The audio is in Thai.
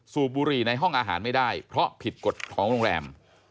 สูบบุหรี่ในห้องอาหารไม่ได้เพราะผิดกฎของโรงแรม